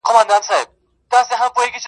څوک چي له گلاب سره ياري کوي~